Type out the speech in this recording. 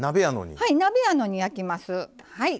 鍋やのに焼きます。